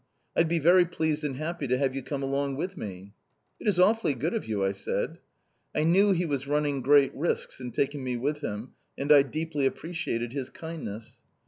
I'd be very pleased and happy to have you come along with me!" "It is awfully good of you!" I said. I knew he was running great risks in taking me with him, and I deeply appreciated his kindness.